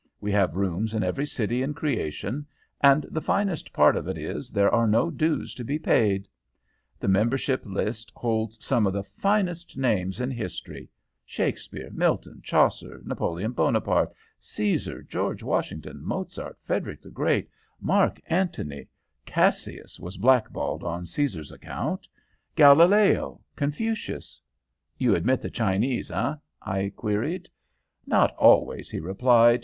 We have rooms in every city in creation; and the finest part of it is there are no dues to be paid. The membership list holds some of the finest names in history Shakespeare, Milton, Chaucer, Napoleon Bonaparte, Caesar, George Washington, Mozart, Frederick the Great, Marc Antony Cassius was black balled on Caesar's account Galileo, Confucius.' "'You admit the Chinese, eh?' I queried. "'Not always,' he replied.